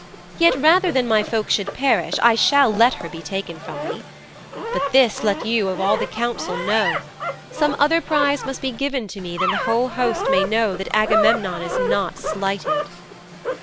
Yet rather than my folk should perish I shall let her be taken from me. But this let you all of the council know: some other prize must be given to me that the whole host may know that Agamemnon is not slighted."'